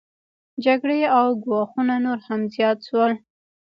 جګړې او ګواښونه نور هم زیات شول